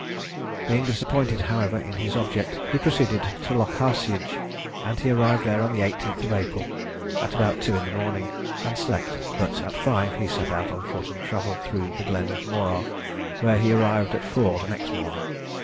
Being disappointed, however, in his object, he proceeded to Lockharciage, and he arrived there on the 18th of April, at about two in the morning, and slept, but at five he set out on foot, and travelled through the Glen of Morar, where he arrived at four the next morning.